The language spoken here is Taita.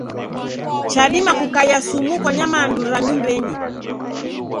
Ghadima kukaia sumu kwa nyamandu ra nyumbenyi.